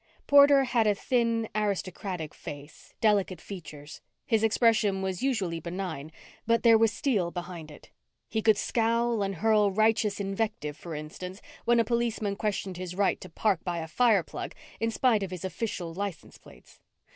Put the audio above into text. Porter had a thin, aristocratic face, delicate features. His expression was usually benign, but there was steel behind it. He could scowl and hurl righteous invective, for instance, when a policeman questioned his right to park by a fireplug in spite of his official license plates.